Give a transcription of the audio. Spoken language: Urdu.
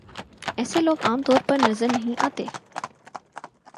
ایسے لوگ عام طور پر نظر نہیں آتے ۔